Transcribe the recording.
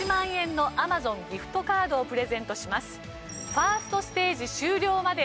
ファーストステージ終了まで応募可能です。